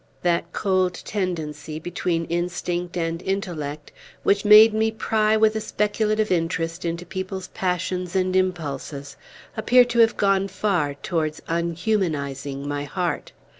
That cold tendency, between instinct and intellect, which made me pry with a speculative interest into people's passions and impulses, appeared to have gone far towards unhumanizing my heart.